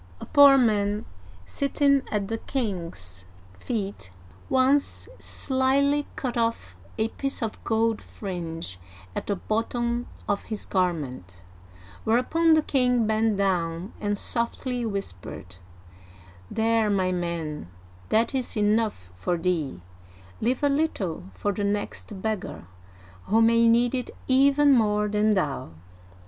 A poor man, sitting at the king's uigiTizea Dy vjiOOQlC I04 OLD FRANCE feet, once slyly cut off a piece of gold fringe at the bottom of his garment, whereupon the king bent down and softly whispered :" There, my man, that is enough for thee ; leave a little for the next beggar, who may need it even more than thou.'